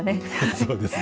そうですね。